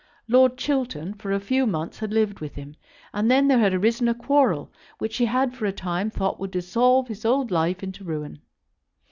Lord Chiltern for a few months had lived with him; and then there had arisen a quarrel, which he had for a time thought would dissolve his old life into ruin.